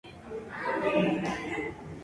La intención de Mance era invadir los Siete Reinos.